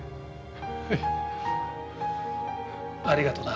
ええ。ありがとな。